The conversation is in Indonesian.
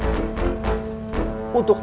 kemenut perutu hanya satu